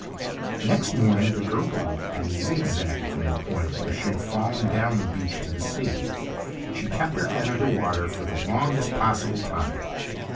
Next morning the girl awoke and zigzagged from the point where she had fallen down the beach to the sea. She kept her head under water for the longest possible time.